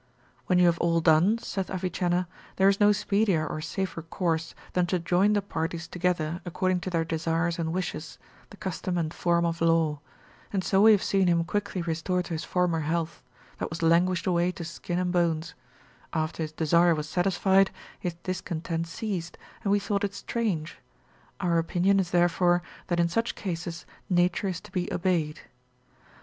When you have all done, saith Avicenna, there is no speedier or safer course, than to join the parties together according to their desires and wishes, the custom and form of law; and so we have seen him quickly restored to his former health, that was languished away to skin and bones; after his desire was satisfied, his discontent ceased, and we thought it strange; our opinion is therefore that in such cases nature is to be obeyed.